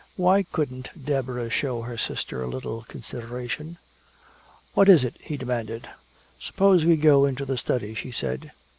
Why couldn't Deborah show her sister a little consideration? "What is it?" he demanded. "Suppose we go into the study," she said.